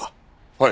はい。